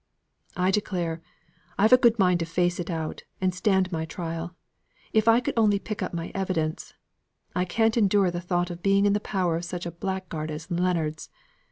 "I declare, I've a good mind to face it out, and stand my trial. If I could only pick up my evidence! I cannot endure the thought of being in the power of such a blackguard as Leonards.